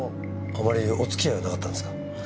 あまりお付き合いはなかったんですか？